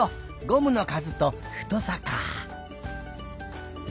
ゴムのかずと太さかあ。